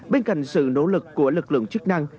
bên cạnh sự nỗ lực của lực lượng chức năng